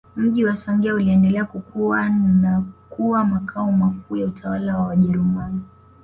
Mji wa Songea uliendelea kukua na kuwa Makao makuu ya utawala wa Wajerumani